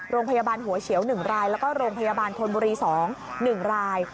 โรงพยาบาลหัวเฉียว๑รายแล้วก็โรงพยาบาลธนบุรี๒๑ราย